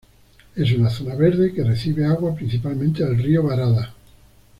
Es una zona verde que recibe agua principalmente del río Barada.